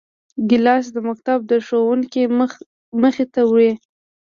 ګیلاس د مکتب د ښوونکي مخې ته وي.